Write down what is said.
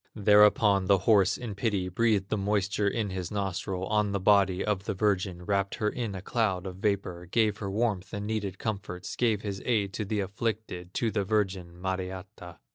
Thereupon the horse, in pity, Breathed the moisture of his nostrils On the body of the virgin, Wrapped her in a cloud of vapor, Gave her warmth and needed comforts, Gave his aid to the afflicted, To the virgin, Mariatta.